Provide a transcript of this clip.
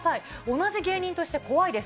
同じ芸人として怖いです。